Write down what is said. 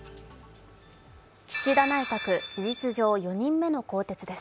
岸田内閣、事実上４人目の更迭です。